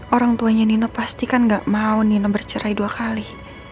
orang tuanya nine pasti kan gak mau nine bercerai dua kali